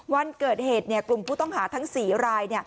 วันเกิดเหตุกลุ่มผู้ต้องหาทั้ง๔ราย